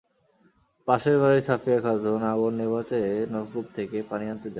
পাশের বাড়ির সাফিয়া খাতুন আগুন নেভাতে নলকূপ থেকে পানি আনতে যান।